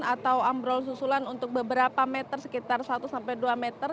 atau ambrol susulan untuk beberapa meter sekitar satu sampai dua meter